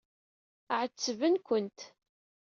Ɛettben-kent.